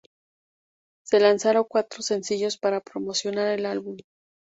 Se lanzaron cuatro sencillos para promocionar el álbum.